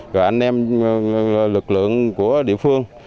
rồi anh em lực lượng của địa phương